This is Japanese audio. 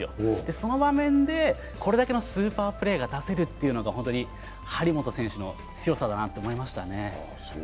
その場面で、これだけのスーパープレーが出せるというのが本当に張本選手の強さだと思いましたね。